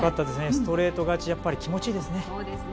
ストレート勝ちはやっぱり気持ちがいいですね。